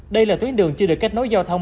đây là tuyến đường chưa được kết nối giao thông